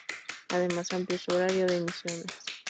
Además, amplió su horario de emisiones.